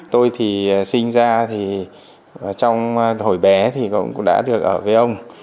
tôi thì sinh ra thì trong hồi bé thì cũng đã được ở với ông